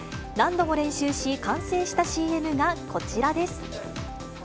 何度も練習し、完成したＣＭがこちらです。